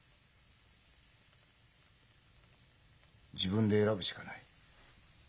自分で選ぶしかない。